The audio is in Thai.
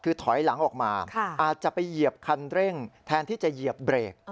คือถอยหลังออกมาอาจจะไปเหยียบคันเร่งแทนที่จะเหยียบเบรก